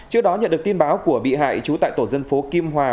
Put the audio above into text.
trước đó nhận được tin báo của bị hại trú tại tổ dân phố kim hòa